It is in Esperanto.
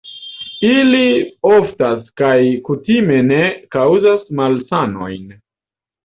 Ili oftas kaj kutime ne kaŭzas malsanojn.